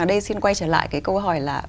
ở đây xin quay trở lại cái câu hỏi là